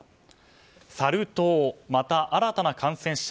サル痘、また新たな感染者。